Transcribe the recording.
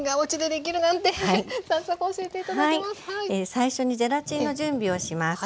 最初にゼラチンの準備をします。